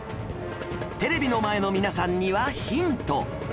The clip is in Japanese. テレビの前の皆さんにはヒント